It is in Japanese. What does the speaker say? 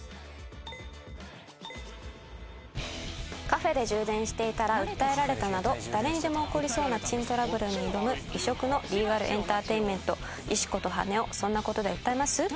カフェで充電していたら訴えられたなど誰にでも起こりそうな珍トラブルに挑む異色のリーガル・エンターテインメント「石子と羽男−そんなコトで訴えます？−」